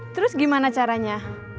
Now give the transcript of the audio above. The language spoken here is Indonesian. terus gimana caranya